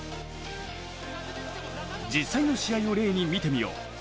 実際の試合を例に見てみよう。